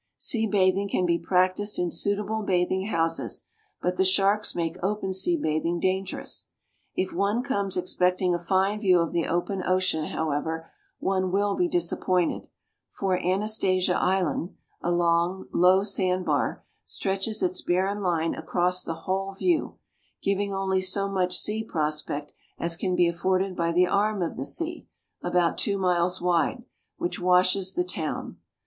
Sea bathing can be practised in suitable bathing houses; but the sharks make open sea bathing dangerous. If one comes expecting a fine view of the open ocean, however, one will be disappointed; for Anastasia Island a long, low sand bar stretches its barren line across the whole view, giving only so much sea prospect as can be afforded by the arm of the sea about two miles wide which washes the town.